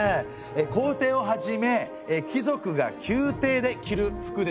皇帝をはじめ貴族が宮廷で着る服ですね。